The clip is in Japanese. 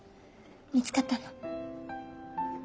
見つかったの？